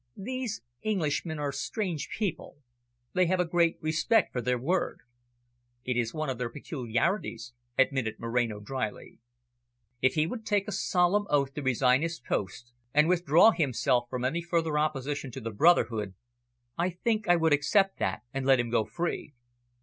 "These Englishmen are strange people; they have a great respect for their word." "It is one of their peculiarities," admitted Moreno drily. "If he would take a solemn oath to resign his post, and withdraw himself from any further opposition to the brotherhood, I think I would accept that, and let him go free."